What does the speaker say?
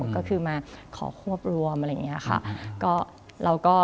ก็คือมาขอควบรวมอะไรอย่างนี้ค่ะ